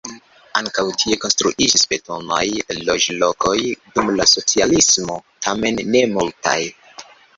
Ankaŭ tie konstruiĝis betonaj loĝlokoj dum la socialismo, tamen ne multaj.